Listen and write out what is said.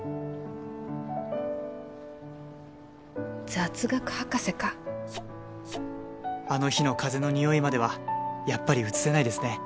雑学博士か「あの日の風の匂いまではやっぱり写せないですね」